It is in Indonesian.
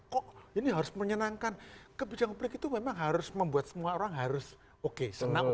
kok ini harus menyenangkan kebijakan publik itu memang harus membuat semua orang harus oke senang